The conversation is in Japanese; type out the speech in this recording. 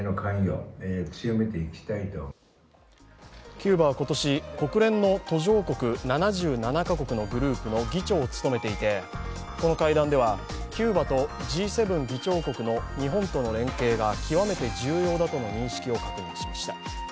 キューバは今年国連の途上国７７か国のグループの議長を務めていてこの会談ではキューバとＧ７議長国の日本との連携が極めて重要だとの認識を確認しました。